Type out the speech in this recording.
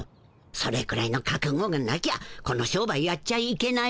それくらいのかくごがなきゃこの商売やっちゃいけないよ。